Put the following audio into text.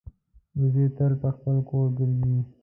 وزې تل پر خپل کور ګرځي